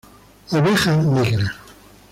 Oveja Negra.